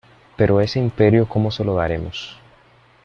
¿ pero ese Imperio cómo se lo daremos?